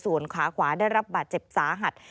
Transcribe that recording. ส่วนขาขวาได้รับบาดเจ็บสาหัส